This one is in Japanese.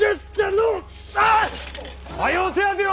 早う手当てを！